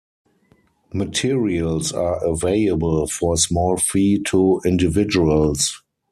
Materials are available for a small fee to individuals.